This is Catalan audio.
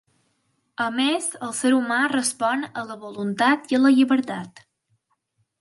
A més, el ser humà respon a la voluntat i la llibertat.